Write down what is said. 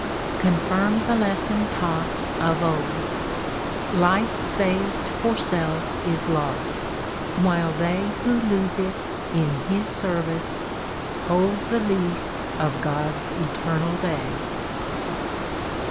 "Confirm the lesson taught of old Life saved for self is lost, while they Who lose it in His service hold The lease of God's eternal day."